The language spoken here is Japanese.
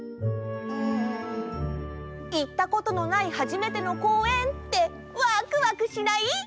うん。いったことのない初めてのこうえんってわくわくしない？